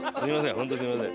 本当すみません。